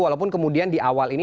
walaupun kemudian di awal ini